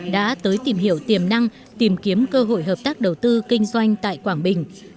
đã tới tìm hiểu tiềm năng tìm kiếm cơ hội hợp tác đầu tư kinh doanh tại quảng bình